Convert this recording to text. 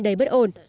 đầy bất ổn